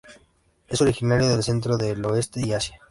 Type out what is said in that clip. Es originario del centro y oeste de Asia.